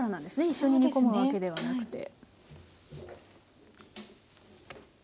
一緒に煮込むわけではなくて。